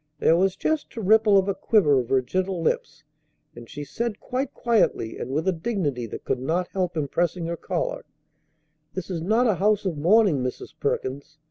There was just a ripple of a quiver of her gentle lips, and she said quite quietly and with a dignity that could not help impressing her caller: "This is not a house of mourning, Mrs. Perkins.